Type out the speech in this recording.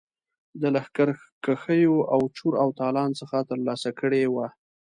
د لښکرکښیو او چور او تالان څخه ترلاسه کړي وه.